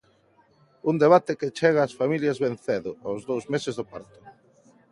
Un debate que chega ás familias ben cedo, aos dous meses do parto.